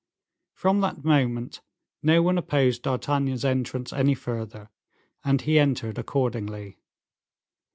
From that moment, no one opposed D'Artagnan's entrance any further, and he entered accordingly.